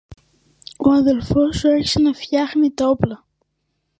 ο αδελφός σου άρχισε να φτιάνει τα όπλα